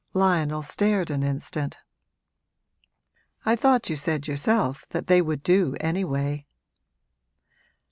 Lionel stared an instant. 'I thought you said yourself that they would do anyway!'